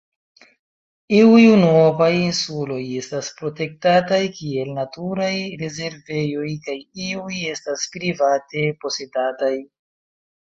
Iuj unuopaj insuloj estas protektataj kiel naturaj rezervejoj kaj iuj estas private posedataj.